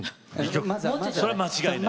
それは間違いない。